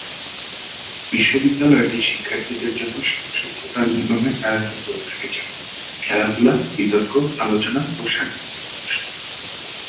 বিশ্ববিদ্যালয়টি শিক্ষার্থীদের জন্য সহশিক্ষা কার্যক্রমের আয়োজন করে থাকে যেমন- খেলাধুলা, বিতর্ক, আলোচনা ও সাংস্কৃতিক অনুষ্ঠান।